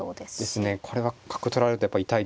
ですねこれは角取られるとやっぱ痛いですね。